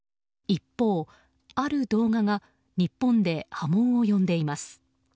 一方、ある動画が日本で波紋を呼んでいます。